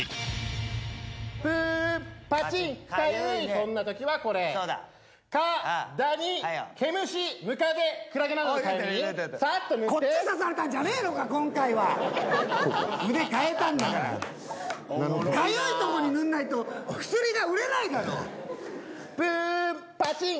そんなときはこれそうだ蚊ダニ毛虫ムカデクラゲなどのかゆみにサッと塗ってこっち刺されたんじゃねえのか今回は腕かえたんだからかゆいとこに塗んないと薬が売れないだろプンパチン！